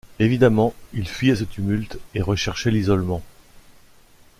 Évidemment, il fuyait ce tumulte et recherchait l’isolement.